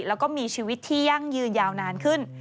แล้วก็มีชีวิตที่ยั่งยืนยาวนานขึ้น